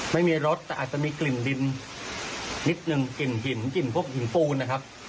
ไม่มีรสแต่อาจจะมีกลิ่นดินนิดหนึ่งกลิ่นหินกลิ่นพวกหินปูนนะครับ